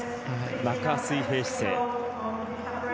中水平姿勢。